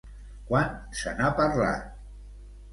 Quan se n'ha parlat?